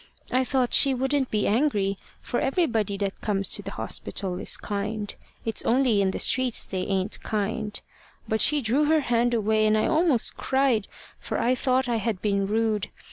I thought she wouldn't be angry, for everybody that comes to the hospital is kind. It's only in the streets they ain't kind. But she drew her hand away, and I almost cried, for I thought I had been rude.